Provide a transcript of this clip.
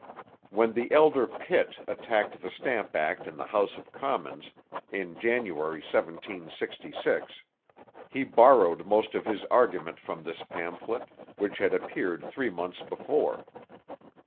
When the elder Pitt attacked the Stamp Act in the House of Commons in January 1766, he borrowed most of his argument from this pamphlet, which had appeared three months before.